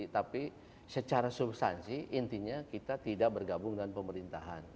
tapi secara substansi intinya kita tidak bergabung dengan pemerintahan